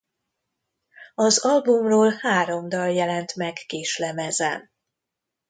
Az albumról három dal jelent meg kislemezen.